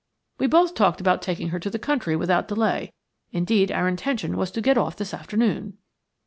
We both talked about taking her to the country without delay. Indeed, our intention was to get off this afternoon."